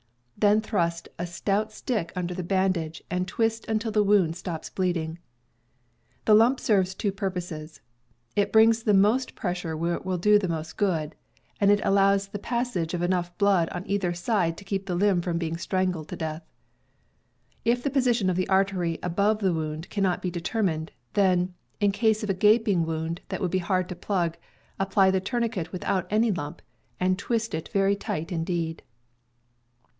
Then thrust a stout stick under the bandage, and twist until the wound stops bleeding. The lump serves two pur poses: it brings the most pressure where it will do the most good, and it allows passage of enough blood on either side to keep the limb from being strangled to death. If the position of the artery above the wound cannot be determined, then, in case of a gaping wound that would be hard to plug, apply the tourniquet without any lump, and twist it very tight indeed.